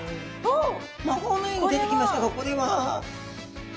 魔法のように出てきましたがこれは？